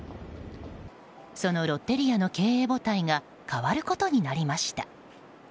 そのロッテリアの経営母体が変わることになりました。